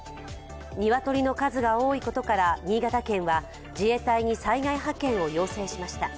鶏の数が多いことから、新潟県は自衛隊に災害派遣を要請しました。